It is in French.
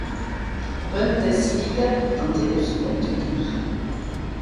Bundesliga pour tenter de se maintenir.